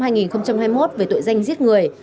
năm hai nghìn hai mươi một về tội danh giết người